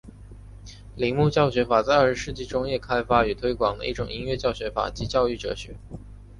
铃木教学法在二十世纪中叶开发与推广的一种音乐教学法及教育哲学。